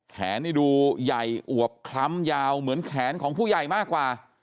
นี่ดูใหญ่อวบคล้ำยาวเหมือนแขนของผู้ใหญ่มากกว่า